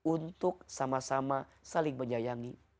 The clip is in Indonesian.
untuk sama sama saling menyayangi